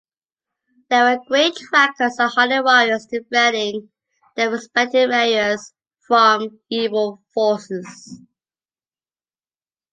They were great trackers and hardy warriors-defending their respective areas from evil forces.